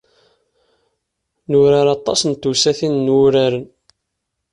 Nurar aṭas n tewsatin n wuraren.